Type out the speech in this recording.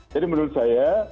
jadi menurut saya